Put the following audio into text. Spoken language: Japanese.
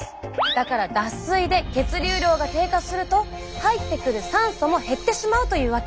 だから脱水で血流量が低下すると入ってくる酸素も減ってしまうというわけ。